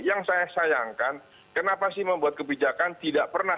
yang saya sayangkan kenapa sih membuat kebijakan tidak pernah